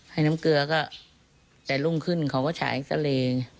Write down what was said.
ให้น้ำเกลือก็แต่รุ่งขึ้นเขาก็ฉายเอ็กซาเล